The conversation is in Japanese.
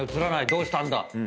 どうしたんだ⁉」